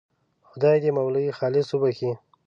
خدای دې مولوي خالص وبخښي.